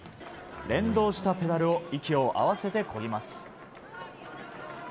連動したペダルを息を合わせてこぎます。